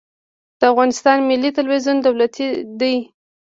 د افغانستان ملي تلویزیون دولتي دی